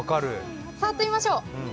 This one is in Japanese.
触ってみましょう。